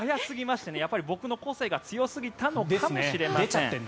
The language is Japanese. やっぱり僕の個性が強すぎたのかもしれません。